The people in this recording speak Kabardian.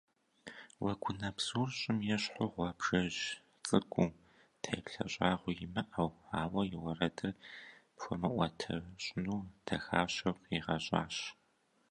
Уэгунэбзур щӏым ещхьу гъуабжэжь цӏыкӏуу, теплъэ щӏагъуи имыӏэу, ауэ и уэрэдыр пхуэмыӏуэтэщӏыну дахащэу къигъэщӏащ.